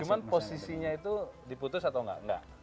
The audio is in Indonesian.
cuma posisinya itu diputus atau enggak